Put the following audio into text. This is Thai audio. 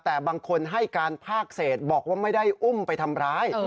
แต่บางคนให้การภาคเศษบอกว่าไม่ได้อุ้มไปทำร้าย